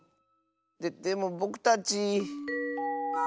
ででもぼくたち。